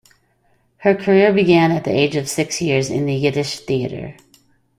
Her career began at the age of six years in the Yiddish Theatre.